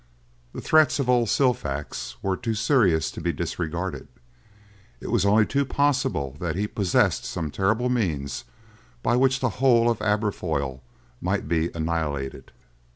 The threats of old Silfax were too serious to be disregarded. It was only too possible that he possessed some terrible means by which the whole of Aberfoyle might be annihilated.